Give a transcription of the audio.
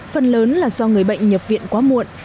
phần lớn là do người bệnh nhập viện quá muộn